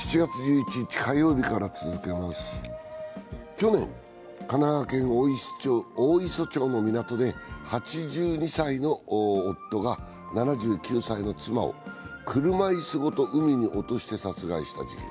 去年、神奈川県大磯町の港で８２歳の夫が７９歳の妻を車椅子ごと海に落として殺害した事件。